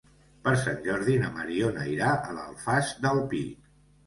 Per Sant Jordi na Mariona irà a l'Alfàs del Pi.